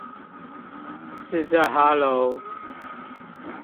是在哈囉？